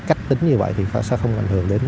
cách tính như vậy thì sẽ không ảnh hưởng đến